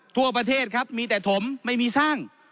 ทั่วประเทศครับมีแต่ถมไม่มีสร้าง